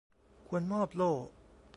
ควรมอบโล่